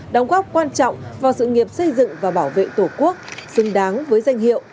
đóng góp quan trọng vào sự nghiệp xây dựng và bảo vệ tổ quốc xứng đáng với danh hiệu